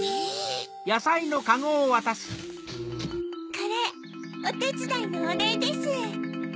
これおてつだいのおれいです。